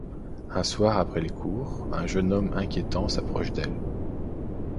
Un soir après les cours, un jeune homme inquiétant s'approche d'elle.